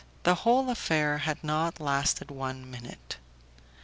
The whole affair had not lasted one minute.